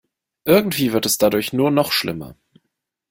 Irgendwie wird es dadurch nur noch schlimmer.